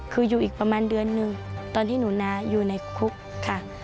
คืออยู่อีกประมาณเดือนหนึ่งตอนที่หนูนาอยู่ในคุกค่ะ